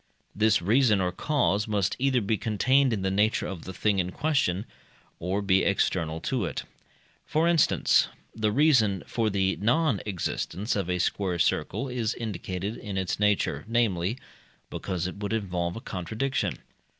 This reason or cause must either be contained in the nature of the thing in question, or be external to it. For instance, the reason for the non existence of a square circle is indicated in its nature, namely, because it would involve a contradiction.